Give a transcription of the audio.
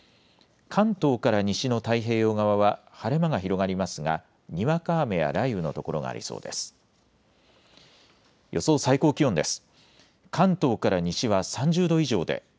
関東から西の太平洋側は晴れ間が広がりますが、にわか雨や雷雨の所がありそうです。